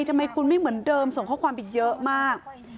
ทำไมคุณไม่เหมือนเดิมส่งข้อความไปเยอะมาก